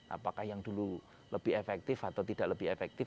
apakah yang dulu lebih efektif atau tidak lebih efektif